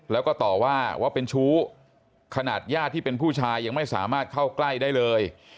แล้วก็ต่อว่าว่าเป็นชู้ขนาดญาติที่เป็นผู้ชายยังไม่สามารถเข้าใกล้ได้เลย